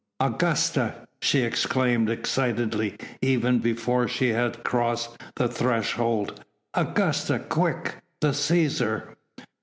"Augusta!" she exclaimed excitedly even before she had crossed the threshold. "Augusta! quick! the Cæsar!"